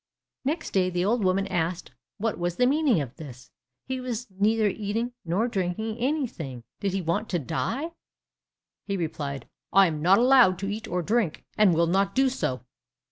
Next day the old woman asked what was the meaning of this? He was neither eating nor drinking anything; did he want to die? He replied, "I am not allowed to eat or drink, and will not do so."